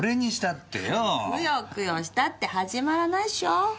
くよくよしたって始まらないっしょ。